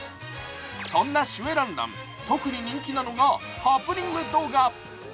そんなシュエロンロン、特に人気なのがハプニング動画。